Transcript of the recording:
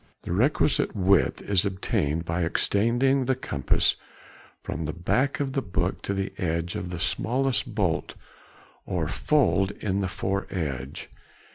The requisite width is obtained by extending the compass from the back of the book to the edge of the smallest bolt or fold in the foredge.